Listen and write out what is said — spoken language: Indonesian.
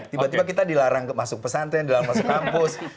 tiba tiba kita dilarang masuk pesantren dilarang masuk kampus